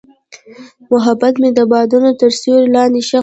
محبت مې د بادونو تر سیوري لاندې ښخ شو.